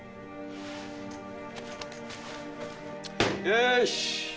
よし！